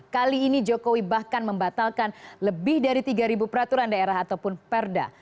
kali ini jokowi bahkan membatalkan lebih dari tiga peraturan daerah ataupun perda